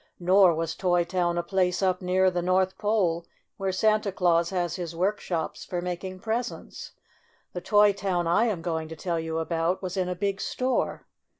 Nor was Toy Town a place up near the North Pole, where Santa Claus has his workshops for making presents. The Tcy Town I am going to tell you about was in a big store.